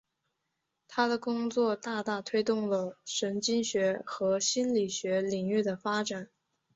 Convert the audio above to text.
他的工作大大推动了神经学和心理学领域的发展。